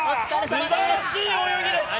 すばらしい泳ぎです。